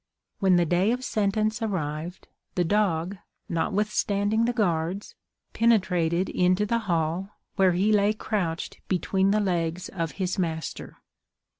When the day of sentence arrived, the dog, notwithstanding the guards, penetrated into the hall, where he lay crouched between the legs of his master.